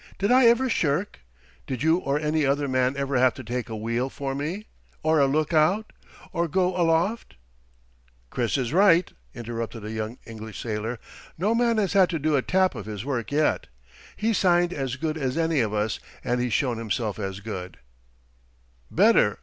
Did I ever shirk? Did you or any other man ever have to take a wheel for me? Or a lookout? Or go aloft?" "Chris is right," interrupted a young English sailor. "No man has had to do a tap of his work yet. He signed as good as any of us and he's shown himself as good—" "Better!"